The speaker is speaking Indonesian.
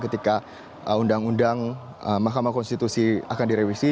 ketika undang undang mahkamah konstitusi akan direvisi